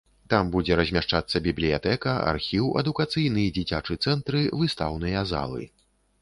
Там будзе размяшчацца бібліятэка, архіў, адукацыйны і дзіцячы цэнтры, выстаўныя залы.